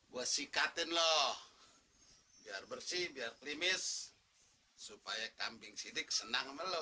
gue sikatin lo biar bersih biar krimis supaya kambing sidik senang sama lo